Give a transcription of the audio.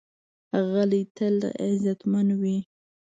غلی، تل عزتمند وي.